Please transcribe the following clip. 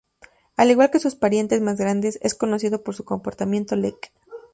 Al igual que sus parientes más grandes, es conocido por su comportamiento lek.